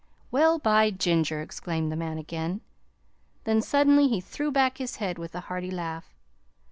"Well, by ginger!" exclaimed the man again. Then, suddenly, he threw back his head with a hearty laugh.